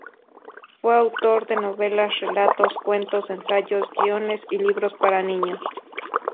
Fue autor de novelas, relatos, cuentos, ensayos, guiones y libros para niños.